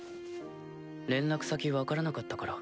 連絡先分からなかったから。